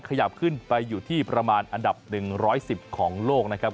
ขยับขึ้นไปอยู่ที่ประมาณอันดับ๑๑๐ของโลกนะครับ